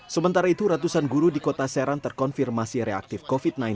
sementara itu ratusan guru di kota serang terkonfirmasi reaktif covid sembilan belas